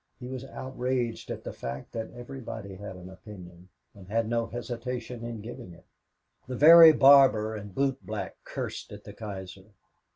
He was outraged at the fact that everybody had an opinion and had no hesitation in giving it. The very barber and bootblack cursed at the Kaiser.